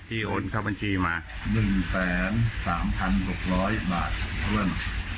ที่โอนเข้าบัญชีมาหนึ่งแสนสามพันหกร้อยบาทส่วน